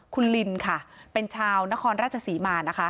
คุณลินค่ะเป็นชาวนครราชศรีมานะคะ